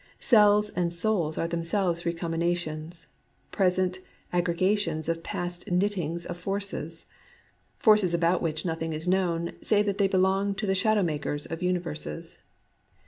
Cells and souls are themselves recombinations, present aggrega tions of past knittings of forces, — forces about which nothing is known save that they belong to the Shadow Makers of universes.